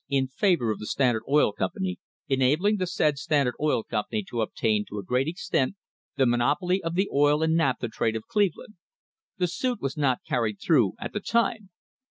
in favour of the Standard Oil Company, enabling the said Standard Oil Company to obtain to a great extent the monopoly of the oil and naphtha trade of Cleveland." The suit was not carried through at the time.